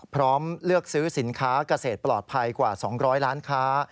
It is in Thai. เลือกซื้อสินค้าเกษตรปลอดภัยกว่า๒๐๐ล้านค้า